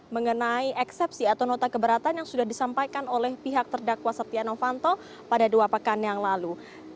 mengenai eksepsi atau nota keberatan yang sudah disampaikan oleh pihak terdakwa setia novanto pada dua pekan yang lalu